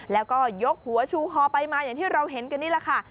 แล้วก็ยกหัวชูฮอไปมาอย่างที่เราเห็นกันนี่แหละค่ะ